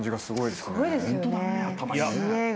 すごいですよね。